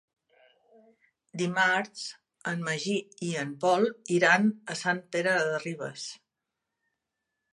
Dimarts en Magí i en Pol iran a Sant Pere de Ribes.